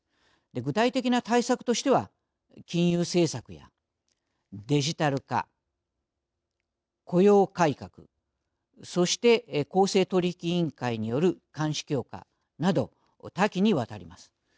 具体的な対策としては金融政策やデジタル化雇用改革、そして公正取引委員会による監視強化など多岐にわたります。